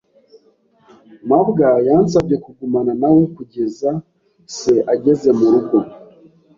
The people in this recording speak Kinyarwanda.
mabwa yansabye kugumana na we kugeza se ageze mu rugo.